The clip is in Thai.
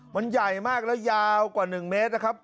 มันแย่มากแล้วยาวกว่า๑เม็ดครับ